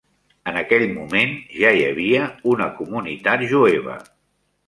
En aquell moment, ja hi havia una comunitat jueva.